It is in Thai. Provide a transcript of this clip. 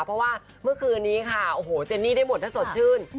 เพราะว่าเมื่อคืนนี้ค่ะโอ้โหเจนนี่ได้หมดถ้าสดชื่น